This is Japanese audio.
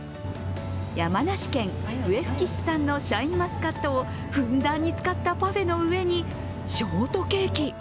山梨県笛吹市産のシャインマスカットをふんだんに使ったパフェの上にショートケーキ。